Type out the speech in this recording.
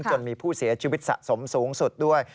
จนมีผู้เสียชีวิตสะสมสูงสุดด้วย